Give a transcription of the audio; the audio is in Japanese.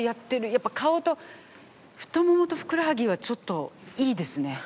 やっぱ顔と太ももとふくらはぎはちょっといいですね。